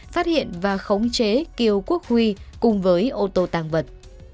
phát hiện và khống chế kiêu quốc huy cùng với ô tô tăng vật